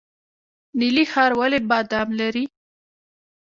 نیلي ښار ولې بادام لري؟